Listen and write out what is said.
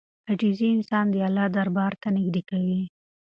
عاجزي انسان د الله دربار ته نږدې کوي.